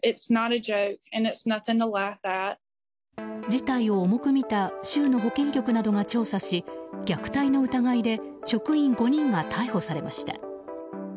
事態を重く見た州の保健局などが調査し虐待の疑いで職員５人が逮捕されました。